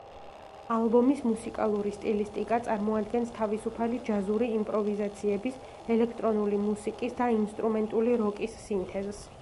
ალბომის მუსიკალური სტილისტიკა წარმოადგენს თავისუფალი ჯაზური იმპროვიზაციების, ელექტრონული მუსიკის და ინსტრუმენტული როკის სინთეზს.